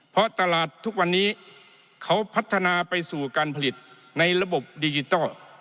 เพราะตลาดทุกวันนี้เขาพัฒนาไปสู่การผลิตในระบบดิจิทัล